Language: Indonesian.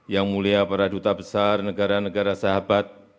yang mulia para duta besar negara negara sahabat